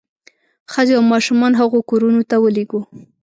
ښځې او ماشومان هغو کورونو ته ولېږو.